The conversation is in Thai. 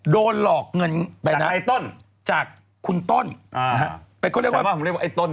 โดนหลอกเงินไปนะจากคุณต้นเป็นคนเรียกว่าฉันว่าผมเรียกว่าไอ้ต้น